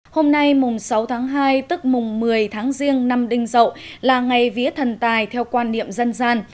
hôm nay mùng sáu tháng hai tức mùng một mươi tháng riêng năm đinh dậu là ngày vía thần tài theo quan niệm dân gian